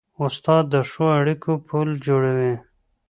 استاد د ښو اړیکو پل جوړوي.